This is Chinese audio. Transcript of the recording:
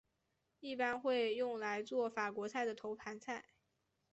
一般会用来作法国菜的头盘菜。